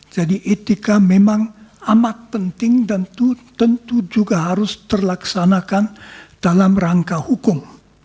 jadi etika memang amat penting dan tentu juga harus terlaksanakan dalam rangka hukum